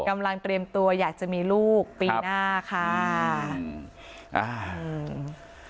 กำลังเตรียมตัวอยากจะมีลูกปีหน้าค่ะอืมอ่าอืม